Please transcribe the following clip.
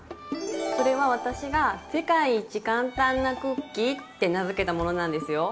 それは私が「世界一簡単なクッキー」って名付けたものなんですよ。